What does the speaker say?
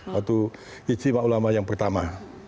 satu ijtima ulama yang pertama